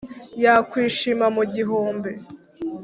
yakwishima mu gihumbi.